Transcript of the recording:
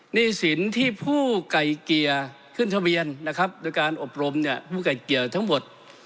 หนี้สินที่ผู้ไก่เกลี่ยขึ้นทะเบียนนะครับโดยการอบรมเนี่ยผู้ไก่เกี่ยวทั้งหมด